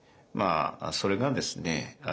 それがですね